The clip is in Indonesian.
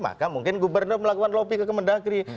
maka mungkin gubernur melakukan lobby ke kemendagri